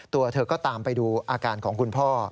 ตัวเธอก็ตามไปดูอาการของคุณพ่อ